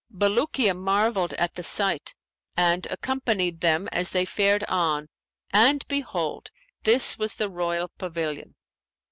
Bulukiya marvelled at the sight and accompanied them as they fared on and behold, this was the royal pavilion.